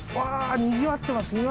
あにぎわってます